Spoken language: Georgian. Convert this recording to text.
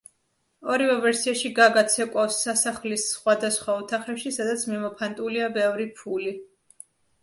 ორივე ვერსიაში გაგა ცეკვავს სასახლის სხვადასხვა ოთახებში სადაც მიმოფანტულია ბევრი ფული.